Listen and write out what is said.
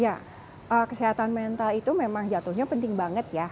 ya kesehatan mental itu memang jatuhnya penting banget ya